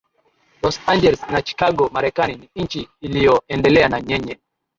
Los Angeles na Chicago Marekani ni nchi iliyoendelea na yenye